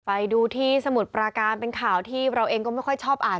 ไปดูที่สมุทรปราการเป็นข่าวที่เราเองก็ไม่ค่อยชอบอ่าน